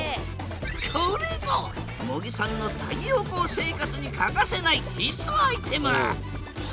これぞ茂木さんの太陽光生活に欠かせない必須アイテム。